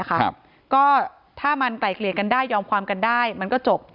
ก็ถ้ามันไกลเกลี่ยกันได้ยอมความกันได้มันก็จบ